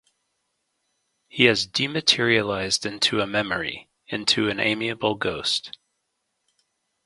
He has dematerialized into a memory, into an amiable ghost.